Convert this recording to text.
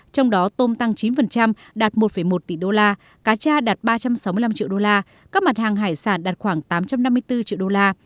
trong đó tôm tăng chín đạt một một tỷ đô la cá cha đạt ba trăm sáu mươi năm triệu đô la các mặt hàng hải sản đạt khoảng tám trăm năm mươi bốn triệu đô la